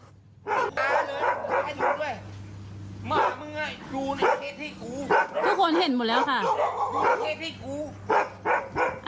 ทุกคนเห็นหมดแล้วค่ะ